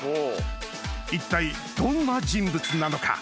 一体どんな人物なのか？